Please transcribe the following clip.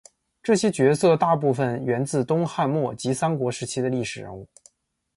这些角色大部份源自东汉末及三国时期的历史人物。